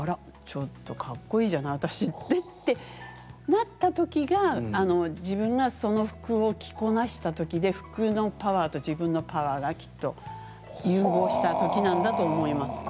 ちょっとかっこいいじゃない、私ってなったときが自分がその服を着こなしたときで服のパワーと自分のパワーがきっと融合したときなんだと思います。